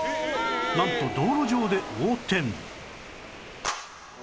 なんと道路上で横転